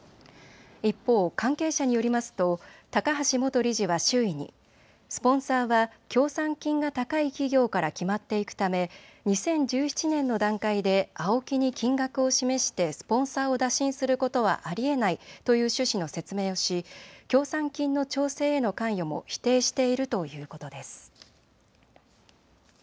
一方、関係者によりますと高橋元理事は周囲にスポンサーは協賛金が高い企業から決まっていくため２０１７年の段階でＡＯＫＩに金額を示してスポンサーを打診することはありえないという趣旨の説明をし協賛金の調整への関与も否定しているということです。